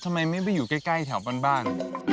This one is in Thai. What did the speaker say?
ทำไมไม่ไปอยู่ใกล้แถวบ้าน